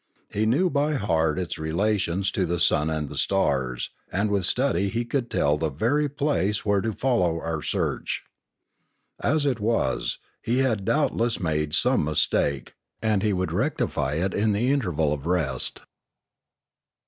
He knew by heart its relations to the sun and the stars; and with study he could tell the very place where to follow our search. As it was, he had doubtless made some mistake; and he would rectify it in the interval of rest.